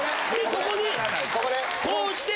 ここにこうして。